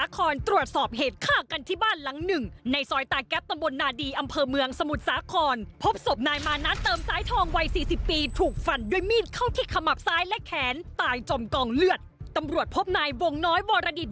กระดาษเดัดและแขนตายจบคองเลือดตำรวจพบนายวงน้อยวรดิศ